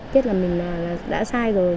chết là mình đã sai rồi